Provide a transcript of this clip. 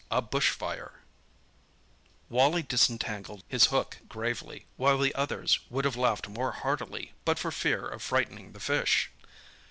A BUSH FIRE Wally disentangled his hook gravely, while the others would have laughed more heartily but for fear of frightening the fish.